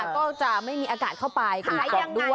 ก็จะไม่มีอากาศเข้าไป